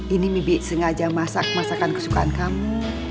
ini mibi sengaja masak masakan kesukaan kamu